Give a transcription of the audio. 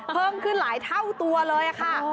เพิ่มขึ้นหลายเท่าตัวเลยค่ะ